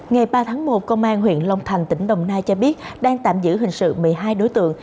ngày ba tháng một công an huyện long thành tỉnh đồng nai cho biết đang tạm giữ hình sự một mươi hai đối tượng